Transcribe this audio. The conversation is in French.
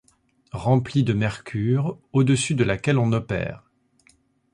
remplie de mercure, au-dessus de laquelle on opère.